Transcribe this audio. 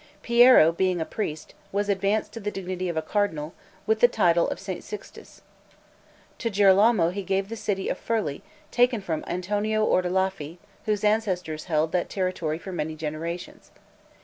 Piero being a priest, was advanced to the dignity of a cardinal, with the title of St. Sixtus. To Girolamo he gave the city of Furli, taken from Antonio Ordelaffi, whose ancestors had held that territory for many generations.